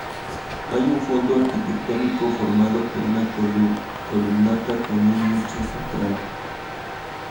Hay un fondo arquitectónico formado por una columnata con un nicho central.